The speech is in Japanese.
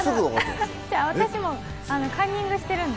私、カンニングしてるんで。